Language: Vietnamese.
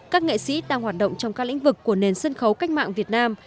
các nghệ sĩ đang hoạt động trong các lĩnh vực của nền sân khấu cách mạng việt nam